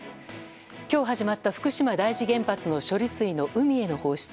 今日始まった福島第一原発の処理水の海への放出。